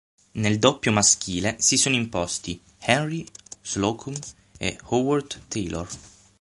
Nel doppio maschile si sono imposti Henry Slocum e Howard Taylor.